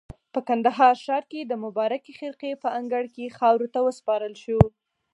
په کندهار ښار کې د مبارکې خرقې په انګړ کې خاورو ته وسپارل شو.